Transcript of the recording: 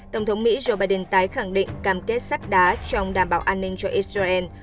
tổng thống mỹ joe biden tái khẳng định cam kết sắp đá trong đảm bảo an ninh cho israel